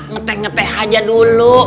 ngeteh ngeteh aja dulu